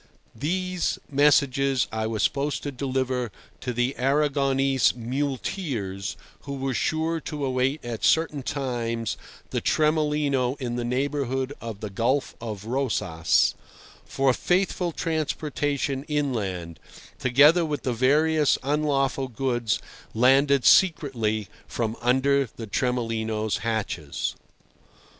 These messages I was supposed to deliver to the Arragonese muleteers (who were sure to await at certain times the Tremolino in the neighbourhood of the Gulf of Rosas), for faithful transportation inland, together with the various unlawful goods landed secretly from under the Tremolino's hatches.